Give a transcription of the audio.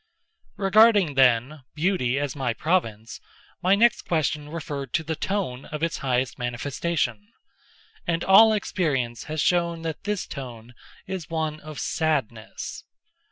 Regarding, then, Beauty as my province, my next question referred to the tone of its highest manifestation—and all experience has shown that this tone is one of sadness.